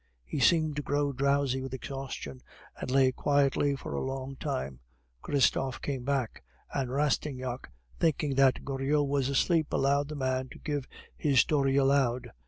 He seemed to grow drowsy with exhaustion, and lay quietly for a long time. Christophe came back; and Rastignac, thinking that Goriot was asleep, allowed the man to give his story aloud.